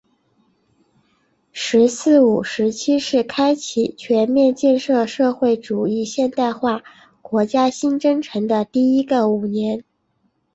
“十四五”时期是开启全面建设社会主义现代化国家新征程的第一个五年。